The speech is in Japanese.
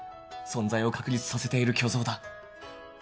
存在を確立させている虚像だ